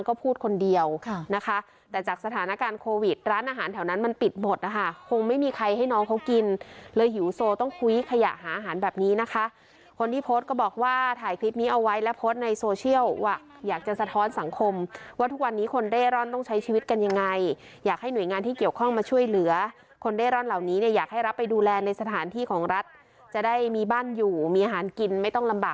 มีใครให้น้องเขากินเลยหิวโซต้องคุยขยะหาอาหารแบบนี้นะคะคนที่โพสก็บอกว่าถ่ายคลิปนี้เอาไว้แล้วโพสในโซเชียลว่าอยากจะสะท้อนสังคมว่าทุกวันนี้คนเร่ร่อนต้องใช้ชีวิตกันยังไงอยากให้หน่วยงานที่เกี่ยวข้องมาช่วยเหลือคนเร่ร่อนเหล่านี้อยากให้รับไปดูแลในสถานที่ของรัฐจะได้มีบ้านอยู่มีอาหารกินไม่ต้องลำบ